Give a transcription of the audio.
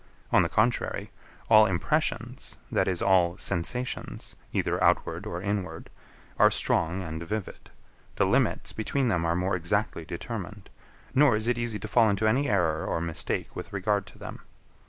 On the contrary, all impressions, that is, all sensations, either outward or inward, are strong and vivid: the limits between them are more exactly determined: nor is it easy to fall into any error or mistake with regard to them.